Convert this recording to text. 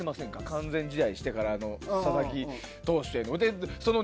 完全試合してからの佐々木投手への。